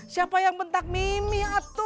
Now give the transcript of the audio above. siapa yang bentak mimi